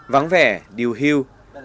vắng vẻ điều hưu